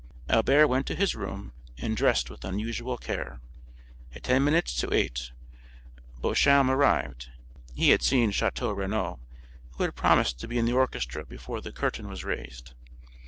Albert went to his room, and dressed with unusual care. At ten minutes to eight Beauchamp arrived; he had seen Château Renaud, who had promised to be in the orchestra before the curtain was raised.